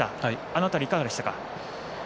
あの辺り、いかがでしたか？